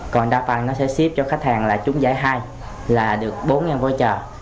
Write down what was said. còn đa phần nó sẽ ship cho khách hàng là trúng giải hai là được bốn vô trợ